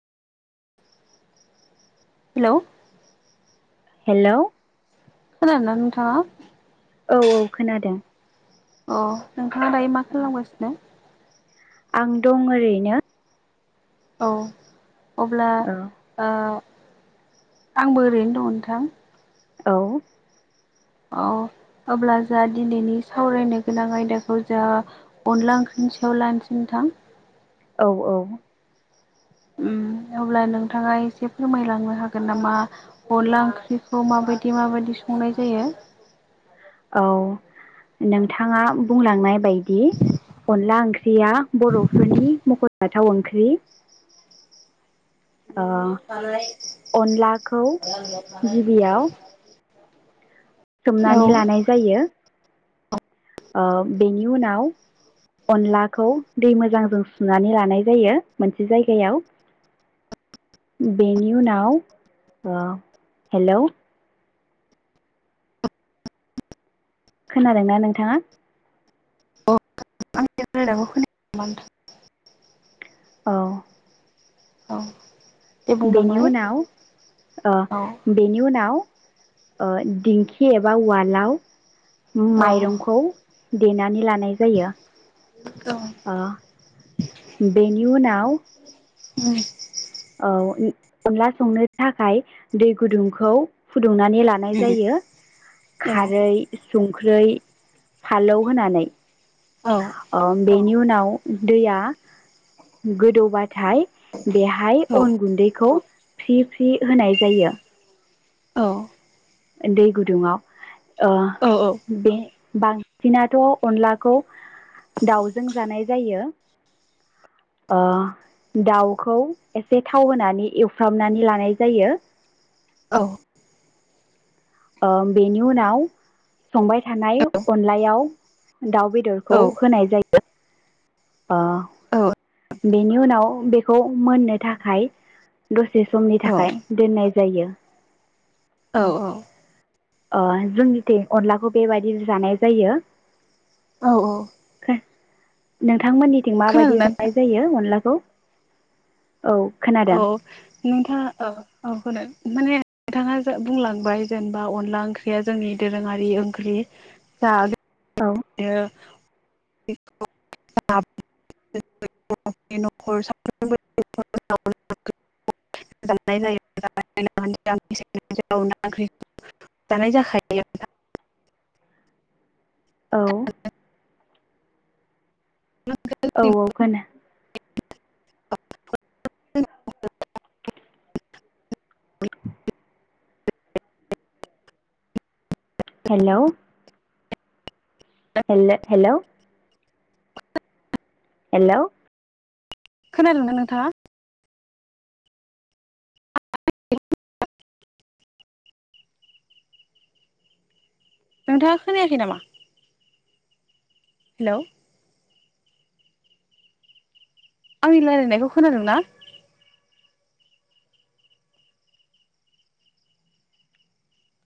hello hello खोनादों ना नोंथां औ औ खोनादों अ नोंथाङा दायो मा खालामगासिनो आं दं ओरैनो औ अब्ला औ आंबो ओरैनो दं नोंथां औ अ अब्ला जा दिनैनि सावरायनो गोनां आयदाखौ जा अनला ओख्रिनि सायाव लाखिनोसै नोंथां औ औ उम अब्ला नोंथाङा एसे फोरमायलांनो हागोन नामा अनला ओंख्रिखौ माबायदि माबायदि संनाय जायो औ [unintelligible] नोंथाङा बुंलांनाय बायदि अनला ओंख्रिया बर'फोरनि मख'जाथाव ओंख्रि ओ अनलाखौ गिबियाव [unintelligible] औ सोमनानै लानाय जायो बेनि उनाव अनलाखौ दै मोजांजों सुनानै लानाय जायो मोनसे जायगायाव बेनि उनाव हेलौ खोनादोंना नोंथाङा अ आंनि रायज्लायनायखौ खोनायाखै नामा नोंथां औ औ दे बेनि बुंलांलाय उनाव अ औ बेनि उनाव ओ दिंखि एबा उवालाव औ माइरंखौ देनानै लानाय जायो औ ओ बेनि उनाव उम औ अनला संनो थाखाय दै गुदुंखौ फुदुंनानै लानाय जायो उम खारै संख्रि फालौ होनानै औ नि उनाव दैया गोदौबाथाय बेहाय औ अन गुन्दैखौ फ्रि फ्रि होनाय जायो औ दै गुदुङआव औ औ बे बांसिनाथ' अनलाखौ दाउजों जानाय जायो दाउखौ एसे थाव होनानै एवफ्रामनानै लानाय जायो औ बेनि उनाव संबाय थानाय अनलायाव दाउ बेदरखौ होनाय जायो बेनि उनाव बेखौ मोननो थाखाय दसे समनि थाखाय दोननाय जायो औ औ जोंनिथिं अनलाखौ बेबायदि जानाय जायो औ औ नोंथांमोननिथिं माबायदि नोंथां जानाय जायो अनलाखौ औ खोनादों औ नोंथाङा औ होनो माने नोंथाङा बुंलांबाय जेनेबा अनला ओंख्रिया जोंनि दोरोङारि ओंख्रि जा औ बे [unintelligible] [unintelligible] जानाय जाखायो नोंथां औ औ औ खोनादों आ हेल' हेल हेल' हेल' खोनादोंना नोंथाङा नोंथाङा खोनायाखै नामा हेल' आंनि रायलायनायखौ खोनादों ना